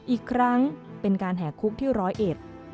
อีกครั้งเป็นการแห่คุกที่ร้อยเอ็ด